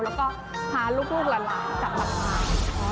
แล้วก็พาลูกหลายกับลูกค้า